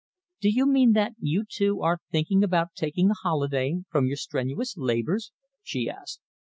"Do you mean that you, too, are thinking of taking a holiday from your strenuous labours?" she asked.